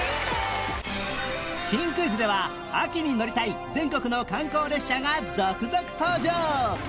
新クイズでは秋に乗りたい全国の観光列車が続々登場！